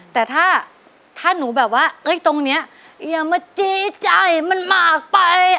แต่ถ้าถ้าหนูแบบว่าตรงนี้อย่ามาจี้ใจมันมากไป